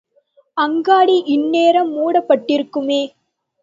அங்காடி இந்நேரம் மூடப்பட்டிருக்குமே?